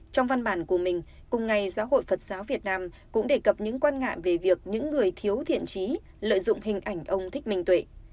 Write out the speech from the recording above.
trong văn bản của mình cùng ngày giáo hội phật giáo việt nam cũng đề cập những quan ngại về việc những người thiếu thiện trí lợi dụng hình ảnh ông thích minh tuệ